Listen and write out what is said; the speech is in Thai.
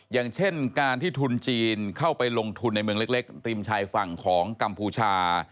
อย่างเช่นการที่ทุนจีนเข้าไปลงทุนในเมืองเล็กริมชายฝั่งของกัมพูชา